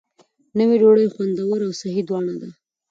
نوې ډوډۍ خوندوره او صحي دواړه ده.